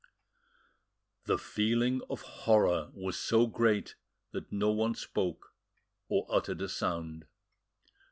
The feeling of horror was so great that no one spoke or uttered a sound.